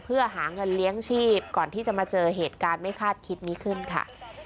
เพื่อหาเงินเลี้ยงชีพก่อนที่จะมาเจอเหตุการณ์ไม่คาดคิดนี้ขึ้นค่ะ